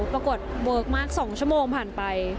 ปรากฏเวิร์คมาก๒ชั่วโมงผ่านไป